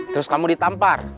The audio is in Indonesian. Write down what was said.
terus kamu ditampar